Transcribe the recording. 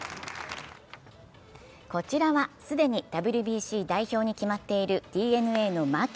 こちらは既にＷＢＣ代表に決まっているＤｅＮＡの牧。